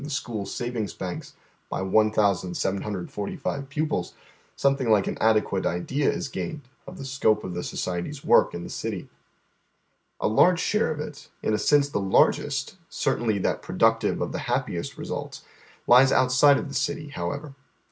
ie school savings banks by 1,745 pupils, something like an adequate idea is gained of the scope of the Society's work in the city. A large share of it, in a sense the largest, certainly that productive of the happiest results, lies outside of the city, however.